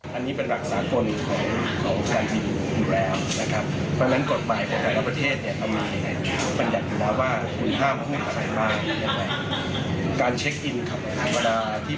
ซึ่งกระแป่ามีระเบิดนั้นต้องความผิดอันนี้